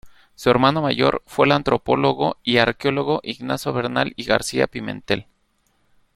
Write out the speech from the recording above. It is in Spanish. Su hermano mayor fue el antropólogo y arqueólogo Ignacio Bernal y García Pimentel.